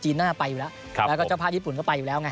น่าไปอยู่แล้วแล้วก็เจ้าภาพญี่ปุ่นก็ไปอยู่แล้วไง